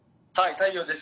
太陽です。